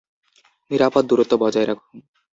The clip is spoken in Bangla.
নিরাপদ দূরত্ব বজায় রাখ।